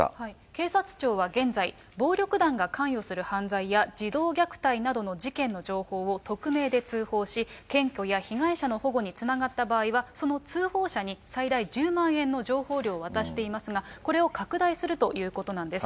警察庁は現在、暴力団が関与する犯罪や児童虐待などの事件の情報を匿名で通報し、検挙や被害者の保護につながった場合は、その通報者に最大１０万円の情報料を渡していますが、これを拡大するということなんです。